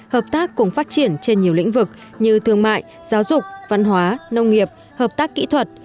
hợp tác cùng phát triển trên nhiều lĩnh vực như thương mại giáo dục văn hóa nông nghiệp hợp tác kỹ thuật